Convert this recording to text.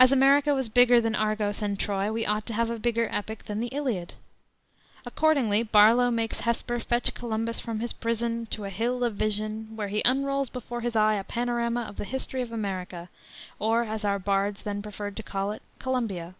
As America was bigger than Argos and Troy, we ought to have a bigger epic than the Iliad. Accordingly, Barlow makes Hesper fetch Columbus from his prison to a "hill of vision," where he unrolls before his eye a panorama of the history of America, or, as our bards then preferred to call it, Columbia.